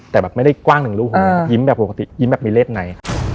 แต่แบบไม่ได้กว้างหนึ่งรูคลุมแบบบอกว่ายิ้มแบบปกติยิ้มแบบมีเลิศใน